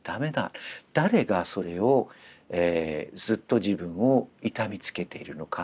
誰がそれをずっと自分を痛めつけているのか。